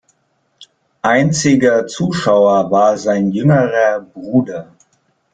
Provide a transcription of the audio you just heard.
Einziger Zuschauer war sein jüngerer Bruder.